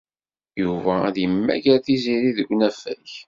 Yuba ad yemmager Tiziri deg unafag.